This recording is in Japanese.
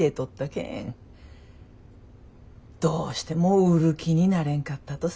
どうしても売る気になれんかったとさ。